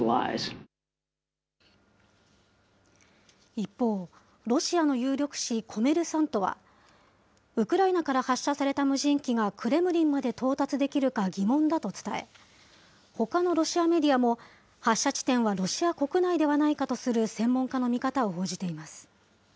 一方、ロシアの有力紙コメルサントは、ウクライナから発射された無人機がクレムリンまで到達できるか疑問だと伝え、ほかのロシアメディアも発射地点はロシア国内ではないかとする専門家の見方を報じています。